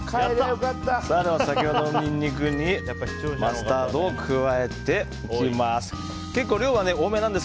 先ほどのニンニクにマスタードを加えていきます。